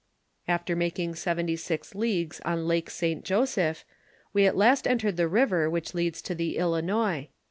After making seventy six leagues on Lake St. Joseph, we at last entered the river which leads to the Ilinois.